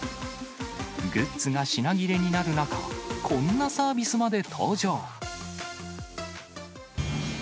グッズが品切れになる中、こんなサービスまで登場。